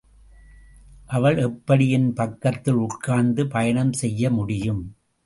அவள் எப்படி என் பக்கத்தில் உட்கார்ந்து பயணம் செய்ய முடியும்?